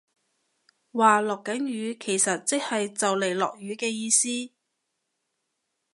話落緊雨其實即係就嚟落雨嘅意思